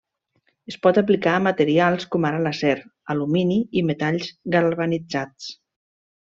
Es pot aplicar a materials com ara l'acer, alumini i metalls galvanitzats.